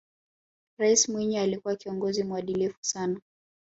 raisi mwinyi alikuwa kiongozi muadilifu sana